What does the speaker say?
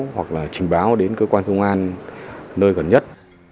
hoặc là trình báo đến cơ quan công an nơi gần nhất